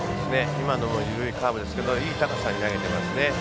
今のも緩いカーブですけどいい高さに投げてますね。